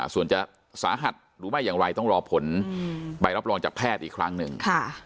ส่วนจะสาหัสหรือไม่อย่างไรต้องรอผลใบรับรองจากแพทย์อีกครั้งหนึ่ง